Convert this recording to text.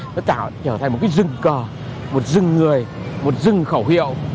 nó tạo trở thành một cái rừng cờ một rừng người một rừng khẩu hiệu